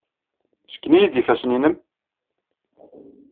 Ssken-iyi-d ifassen-nnem.